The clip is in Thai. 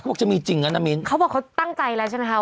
บอกจะมีจริงแล้วนะมิ้นเขาบอกเขาตั้งใจแล้วใช่ไหมคะ